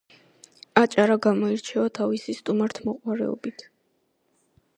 აჭარა გამოირჩევა თავისი სტუმართმოყვარეობით